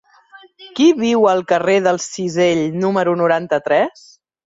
Qui viu al carrer del Cisell número noranta-tres?